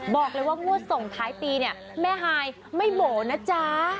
บอกเลยว่างวดส่งท้ายปีเนี่ยแม่ฮายไม่โบ๋นะจ๊ะ